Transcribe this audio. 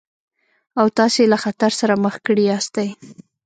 او تاسې يې له خطر سره مخ کړي ياستئ.